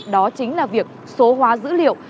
đó chính là việc số hóa dữ liệu